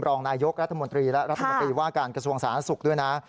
รองนายกรัฐมนตรีและรัฐมนตรีว่าการกระทรวงสาธารณสุขด้วยนะ